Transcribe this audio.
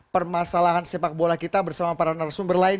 permasalahan sepak bola kita bersama para narasumber lain